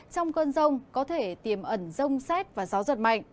trong cơn rông có thể tiềm ẩn rông xét và gió giật mạnh